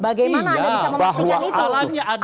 bagaimana anda bisa memastikan itu